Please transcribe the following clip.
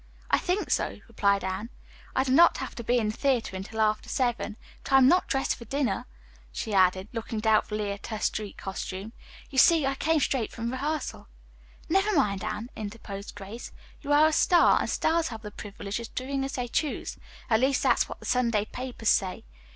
"I think so," replied Anne. "I do not have to be in the theatre until after seven. But I am not dressed for dinner," she added, looking doubtfully at her street costume. "You see, I came straight from rehearsal." "Never mind, Anne," interposed Grace, "you are a star, and stars have the privilege of doing as they choose. At least that's what the Sunday papers say.